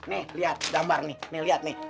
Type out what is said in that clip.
nih liat dambar nih